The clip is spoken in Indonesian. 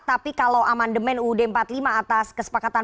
tapi kalau amandemen uud empat puluh lima atas kesepakatan